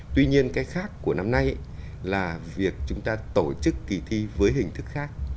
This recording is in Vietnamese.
tuy nhiên cái khác của năm nay là việc chúng ta tổ chức kỳ thi với hình thức khác